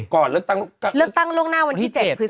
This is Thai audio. ก่อนเขาเลือกตั้งร่วงหน้าวันที่๗ปฤษภา